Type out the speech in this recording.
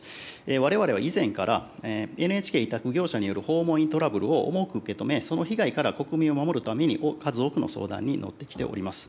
われわれは以前から、ＮＨＫ委託業者による訪問員トラブルを重く受け止め、その被害から国民を守るために、数多くの相談に乗ってきております。